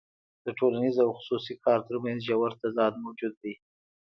د ټولنیز او خصوصي کار ترمنځ ژور تضاد موجود دی